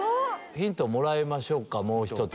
ヒントもらいましょうかもう１つ。